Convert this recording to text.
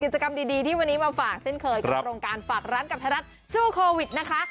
กิจกรรมดีที่วันนี้มาฝากเช่นเคยกับโครงการฝากร้านกับไทยรัฐสู้โควิดนะคะ